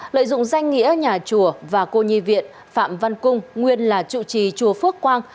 lợi dụng danh nghĩa nhà chùa và cô nhi viện phạm văn cung nguyên là chủ trì chùa phước quang